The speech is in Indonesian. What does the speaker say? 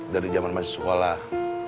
dari zaman masih sekolah